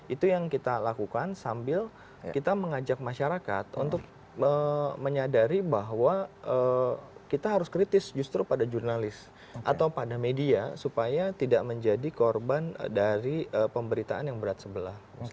itu yang kita lakukan sambil kita mengajak masyarakat untuk menyadari bahwa kita harus kritis justru pada jurnalis atau pada media supaya tidak menjadi korban dari pemberitaan yang berat sebelah